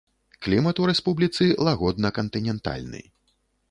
Клімат у рэспубліцы лагодна кантынентальны.